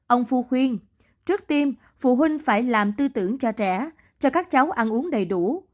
ông phu khuyên trước tim phụ huynh phải làm tư tưởng cho trẻ cho các cháu ăn uống đầy đủ